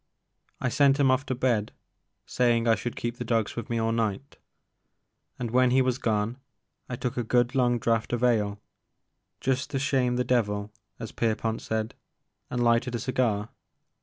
I sent him off to bed, saying I should keep the dogs with me all night ; and when he was gone, I took a good long draught of ale, *' just to shame the devil," as Pierpont said, and lighted a cigar.